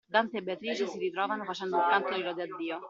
Dante e Beatrice si ritrovano facendo un canto di lode a Dio.